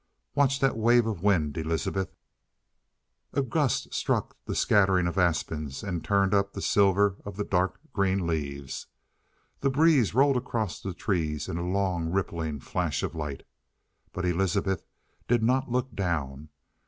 "Watch that wave of wind, Elizabeth." A gust struck the scattering of aspens, and turned up the silver of the dark green leaves. The breeze rolled across the trees in a long, rippling flash of light. But Elizabeth did not look down.